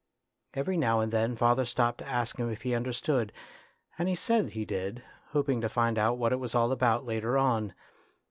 Every now and then father stopped to ask him if he understood, and he said he did, hoping to find out what it was all about later on.